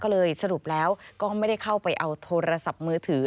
ก็เลยสรุปแล้วก็ไม่ได้เข้าไปเอาโทรศัพท์มือถือ